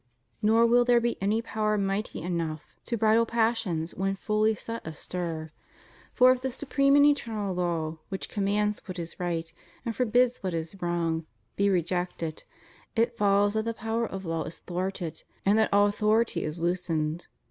Nor will there be any power mighty enough to bridle passions when fully set astir; for if the supreme and eternal law, which commands what is right and forbids what is wTong, be rejected, it follows that the power of law is thwarted, and that all authority is loosened.